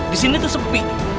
di sini tuh sempih